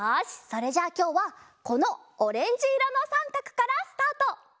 それじゃあきょうはこのオレンジいろのさんかくからスタート。